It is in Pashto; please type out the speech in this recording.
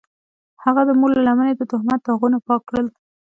هغه د مور له لمنې د تهمت داغونه پاک کړل.